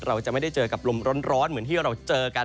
เราจะไม่ได้เจอกับลมร้อนเหมือนที่เราเจอกัน